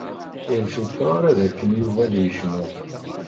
Ur cukkteɣ ara dakken Yuba ad yecnu.